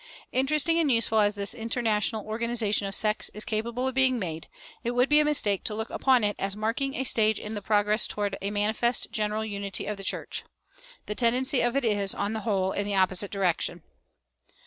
Interesting and useful as this international organization of sects is capable of being made, it would be a mistake to look upon it as marking a stage in the progress toward a manifest general unity of the church. The tendency of it is, on the whole, in the opposite direction.